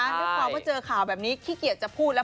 หรือว่าพอเจอข่าวแบบนี้ขี้เกียจจะพูดแล้ว